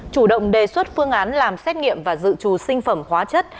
chủ động đề xuất phương án làm xét nghiệm và dự trù sinh phẩm hóa chất